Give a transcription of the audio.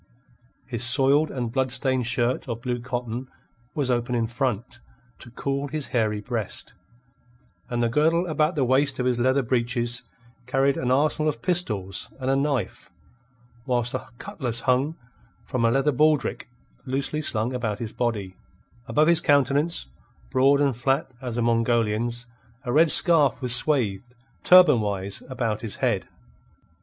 His soiled and blood stained shirt of blue cotton was open in front, to cool his hairy breast, and the girdle about the waist of his leather breeches carried an arsenal of pistols and a knife, whilst a cutlass hung from a leather baldrick loosely slung about his body; above his countenance, broad and flat as a Mongolian's, a red scarf was swathed, turban wise, about his head.